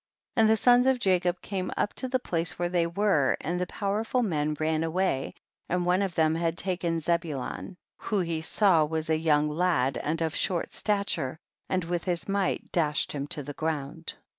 57. And the sons of Jacob came up to the place where they xoere, and the powerful men ran away, and one of them had taken Zebulun, who he saw was a young lad and of short stature, and with his might dashed him to the ground.